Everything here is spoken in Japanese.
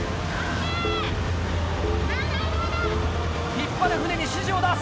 引っ張る船に指示を出す。